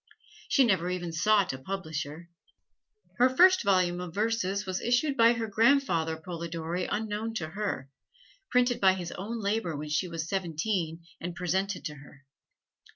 She never even sought a publisher. Her first volume of verses was issued by her grandfather Polidori unknown to her printed by his own labor when she was seventeen and presented to her.